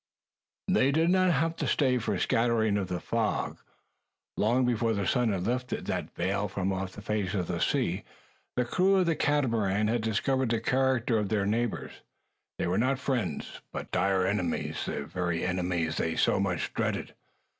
They did not have to stay for the scattering of the fog. Long before the sun had lifted that veil from off the face of the sea, the crew of the Catamaran had discovered the character of their neighbours. They were not friends, but dire enemies, the very enemies they so much dreaded.